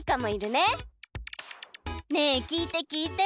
ねえきいてきいて！